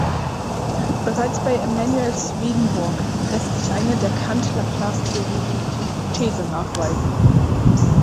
Bereits bei Emanuel Swedenborg lässt sich eine der Kant-Laplace-Theorie ähnliche Hypothese nachweisen.